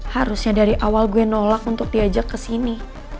harusnya dari awal gue nolak untuk diajak kesini